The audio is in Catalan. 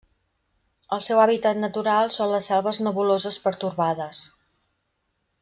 El seu hàbitat natural són les selves nebuloses pertorbades.